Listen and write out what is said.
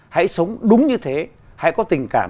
hãy sống đúng như thế hãy có tình cảm